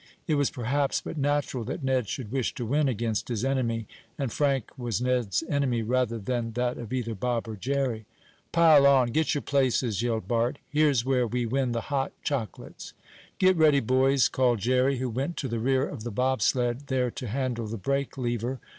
It was perhaps but natural that Ned should wish to win against his enemy, and Frank was Ned's enemy rather than that of either Bob or Jerry. "Pile on! Get your places!" yelled Bart. "Here's where we win the hot chocolates!" "Get ready, boys!" called Jerry, who went to the rear of the bobsled, there to handle the brake lever.